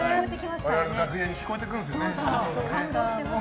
我々の楽屋に聴こえてくるんですよね。